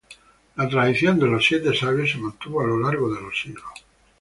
La tradición de los Siete Sabios se mantuvo a lo largo de los siglos.